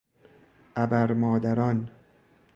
ابرمادران